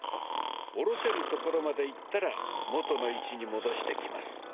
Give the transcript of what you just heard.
下ろせるところまでいったら元の位置に戻してきます。